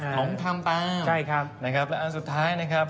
หลงตามนะครับและอันสุดท้ายนะครับ